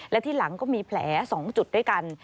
และที่หลังก็มีแผล๒จุดด้วยกัน